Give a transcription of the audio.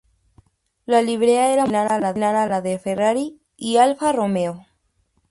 La librea era muy similar a la de Ferrari y Alfa Romeo.